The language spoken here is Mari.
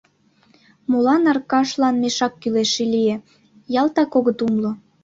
Молан Аркашлан мешак кӱлеш лие — ялтак огыт умыло.